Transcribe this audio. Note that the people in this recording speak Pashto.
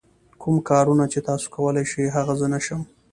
کوم کارونه چې تاسو کولای شئ هغه زه نه شم.